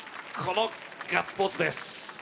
このガッツポーズです